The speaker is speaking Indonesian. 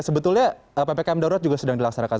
sebetulnya ppkm darurat juga sedang dilaksanakan